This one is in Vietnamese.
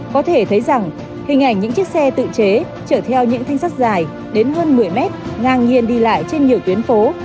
có thể thấy rằng hình ảnh những chiếc xe tự chế chở theo những thanh sắt dài đến hơn một mươi mét ngang nhiên đi lại trên nhiều tuyến phố